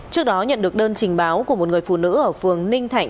trước đó nhận được đơn trình báo của một người phụ nữ ở phường ninh thạnh